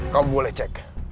kau boleh cek